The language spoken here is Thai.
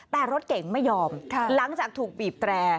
แต่รถเก่งไม่ยอมหลังจากถูกบีบแตร่